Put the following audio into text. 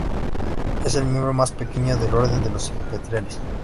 Es el miembro más pequeño del orden de los petreles.